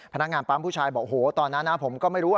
พนักงานปั๊มผู้ชายบอกโหตอนนั้นนะผมก็ไม่รู้